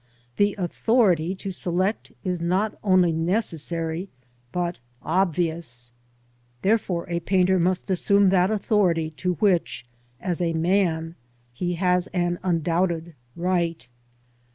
The authority to select is not only necessary but obvious. Therefore a painter must assume that authority to which, as a man, he has an undoubted right.